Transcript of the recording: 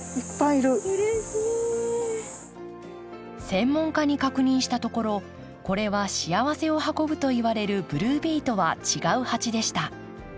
専門家に確認したところこれは幸せを運ぶといわれる「ブルービー」とは違うハチでした。